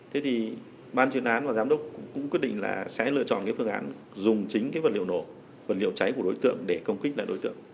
thế thì ban chuyên án và giám đốc cũng quyết định là sẽ lựa chọn cái phương án dùng chính cái vật liệu nổ vật liệu cháy của đối tượng để công kích lại đối tượng